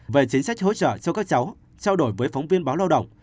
về chính sách hỗ trợ cho các cháu trao đổi với phóng viên báo lao động